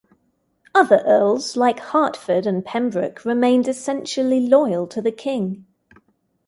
Other earls, like Hertford and Pembroke, remained essentially loyal to the king.